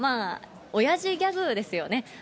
おやじギャグですよね。